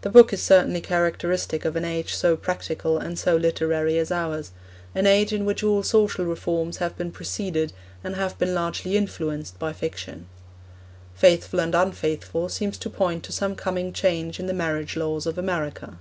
The book is certainly characteristic of an age so practical and so literary as ours, an age in which all social reforms have been preceded and have been largely influenced by fiction. Faithful and Unfaithful seems to point to some coming change in the marriage laws of America.